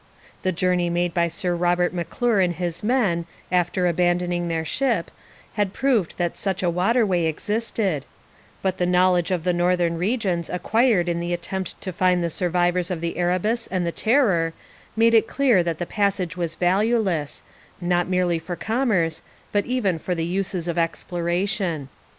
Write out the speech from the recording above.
The journey made by Sir Robert M'Clure and his men, after abandoning their ship, had proved that such a water way existed, but the knowledge of the northern regions acquired in the attempt to find the survivors of the Erebus and the Terror made it clear that the passage was valueless, not merely for commerce, but even for the uses of exploration.